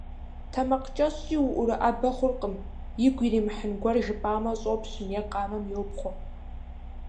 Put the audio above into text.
Тэмакъкӏэщӏщи уӏурыӏэбэ хъуркъым. Игу иримыхьын гуэр жыпӏамэ, щӏопщым е къамэм йопхъуэ.